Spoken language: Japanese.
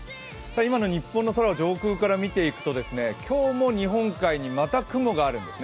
今の日本の空を上空から見ていくと、今日も日本海にまた雲があるんですね。